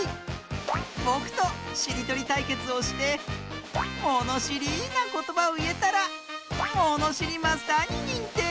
ぼくとしりとりたいけつをしてものしりなことばをいえたらものしりマスターににんてい！